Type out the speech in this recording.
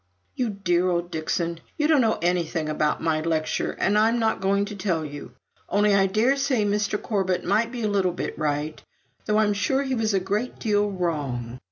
"You dear old Dixon, you don't know anything about my lecture, and I'm not going to tell you. Only I daresay Mr. Corbet might be a little bit right, though I'm sure he was a great deal wrong."